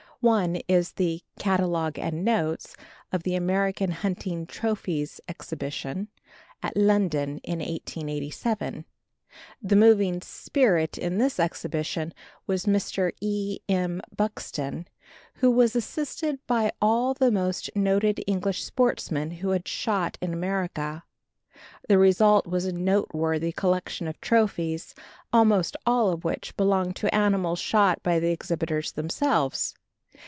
One is the "Catalogue and Notes of the American Hunting Trophies Exhibition" at London in 1887. The moving spirit in this exhibition was Mr. E. M. Buxton, who was assisted by all the most noted English sportsmen who had shot in America. The result was a noteworthy collection of trophies, almost all of which belonged to animals shot by the exhibitors themselves.